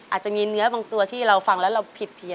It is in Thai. อาจจะมีเนื้อบางตัวที่เราฟังแล้วเราผิดเพี้ย